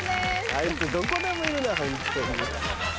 あいつどこでもいるなホントに。